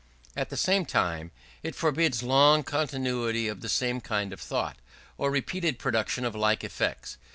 At the same time, it forbids long continuity of the same kind of thought, or repeated production of like effects.